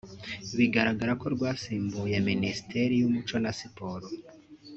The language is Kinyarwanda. bigaragara ko rwasimbuye Minisiteri y’Umuco na Siporo